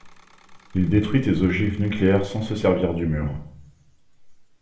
Il détruit tes ogives nucléaires sans se servir du mur.